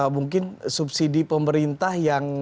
mungkin subsidi pemerintah